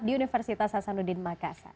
di universitas hasanuddin makassar